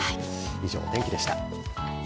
以上、お天気でした。